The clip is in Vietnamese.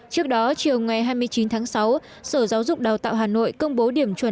trước đó chiều ngày hai mươi chín tháng sáu sở giáo dục đào tạo hà nội công bố điểm chuẩn